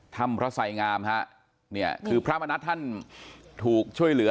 ถ้ำพระไสงามคือพระมณัฐท่านถูกช่วยเหลือ